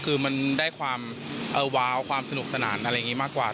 คือมันได้ความว้าวความสนุกสนานอะไรอย่างนี้มากกว่า